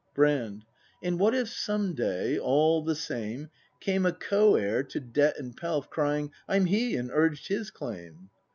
Brand. And what if some day, all the same, Came a co heir to debt and pelf Crying: "I'm he!" and urged his claim?